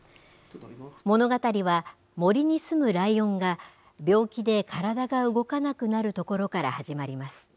物語は、森にすむライオンが、病気で体が動かなくなるところから始まります。